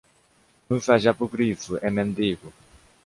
me faz apócrifo e mendigo.